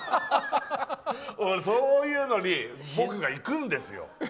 そういうのに僕が行くんですよ。